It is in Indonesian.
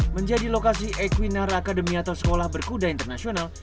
menjadi lokasi equinar academy atau sekolah berkuda internasional